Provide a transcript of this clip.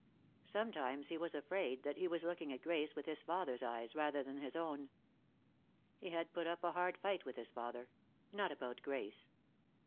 Sometimes he was afraid that he was looking at Grace with his father's eyes, rather than his own. He had put up a hard fight with his father. Not about Grace.